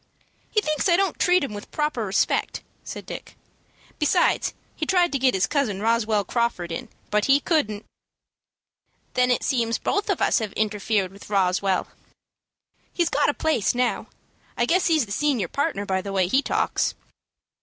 "He thinks I don't treat him with proper respect," said Dick. "Besides he tried to get his cousin Roswell Crawford in, but he couldn't." "Then it seems both of us have interfered with Roswell." "He's got a place now. I guess he's the senior partner by the way he talks."